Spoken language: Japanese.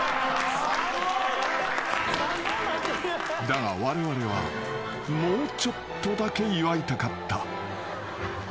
［だがわれわれはもうちょっとだけ祝いたかった］